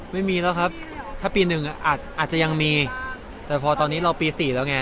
ไม่มีแล้วครับถ้าปีหนึ่งอาจจะยังมีแต่พอตอนนี้เราปี๔แล้วไง